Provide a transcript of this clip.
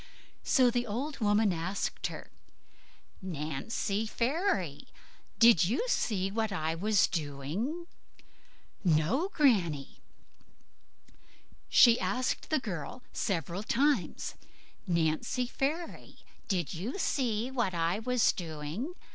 So the old woman asked her, "Nancy Fairy, did you see what I was doing?" "No, Granny." She asked the girl several times, "Nancy Fairy, did you see what I was doing?"